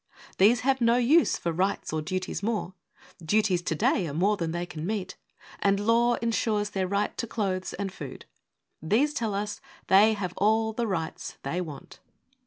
These have no use for rights or duties more. Duties today are more than they can meet, And law insures their right to clothes and food These tell us they have all the rights they want.